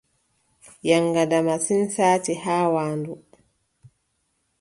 Yaŋgada masin, saati haa waandu.